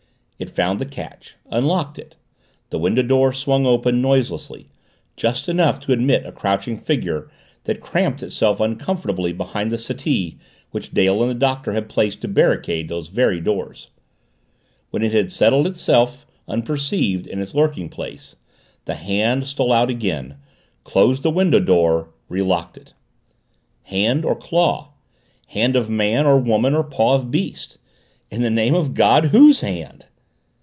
It found the catch unlocked it the window door swung open, noiselessly just enough to admit a crouching figure that cramped itself uncomfortably behind the settee which Dale and the Doctor had placed to barricade those very doors. When it had settled itself, unperceived, in its lurking place the Hand stole out again closed the window door, relocked it. Hand or claw? Hand of man or woman or paw of beast? In the name of God WHOSE HAND?